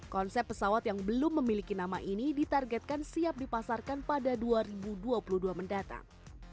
konsep pesawat yang belum memiliki nama ini ditargetkan siap dipasarkan pada dua ribu dua puluh dua mendatang